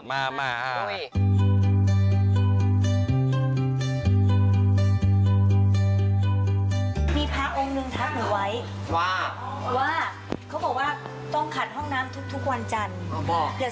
การตองก็หิมขักหลาย